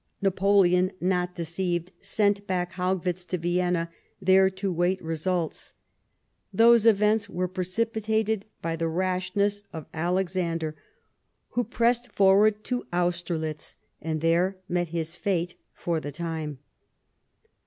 Napoleon, not deceived, sent back Haugwitz to Vienna, there to wait events. Those events were precipitated by the rashness of Alexander, who pressed forward to Austerlitz, and there met his fate — for the time.